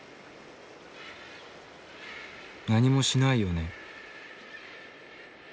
「何もしないよね」。